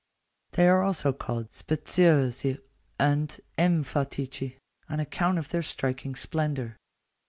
They are also called speciosi and emphatici, on account of their striking splendour.